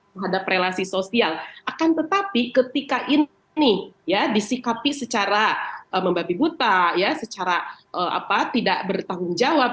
terhadap relasi sosial akan tetapi ketika ini ya disikapi secara membabi buta secara tidak bertanggung jawab